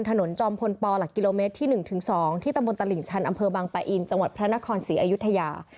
จอมพลปหลักกิโลเมตรที่๑๒ที่ตำบลตลิ่งชันอำเภอบางปะอินจังหวัดพระนครศรีอยุธยา